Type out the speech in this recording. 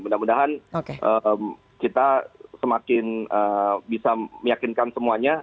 mudah mudahan kita semakin bisa meyakinkan semuanya